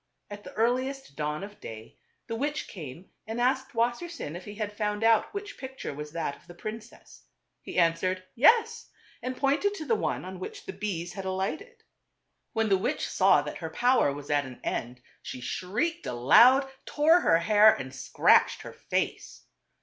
At the earliest dawn of day the 298 TWO BROTHERS. witch came and asked Wassersein if he had found out which picture was that of the prin cess. He answered "Yes," and pointed to the one on which the bees had alighted. When the witch saw that her power was at an end, she shrieked aloud, tore her hair and scratched her face.